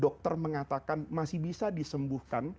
dokter mengatakan masih bisa disembuhkan